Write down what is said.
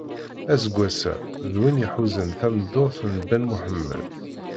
Aseggas-a, d win iḥuzan tameddurt n Ben Muḥemed.